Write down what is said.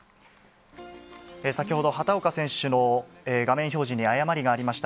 先ほど、畑岡選手の画面表示に誤りがありました。